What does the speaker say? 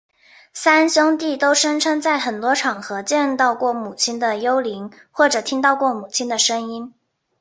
三兄弟都声称在很多场合见到过母亲的幽灵或者听到过母亲的声音。